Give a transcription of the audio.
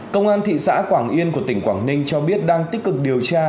công an thị xã quảng yên của tỉnh quảng ninh cho biết đang tích cực điều tra